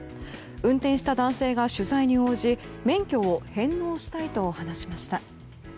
運転した男性が取材に応じ免許を返納したいと話しました。